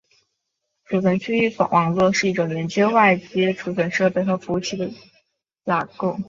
储存区域网络是一种连接外接存储设备和服务器的架构。